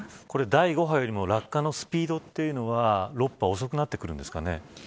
これ第５波よりも落下のスピードというのは６波は遅くなってくるんですかね。